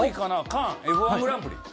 菅「Ｆ−１グランプリ」。